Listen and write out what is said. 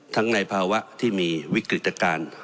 ในภาวะที่มีวิกฤตการณ์